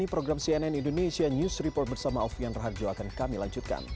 di program cnn indonesia news report bersama ovi andraharjo akan kami lanjutkan